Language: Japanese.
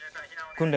訓練。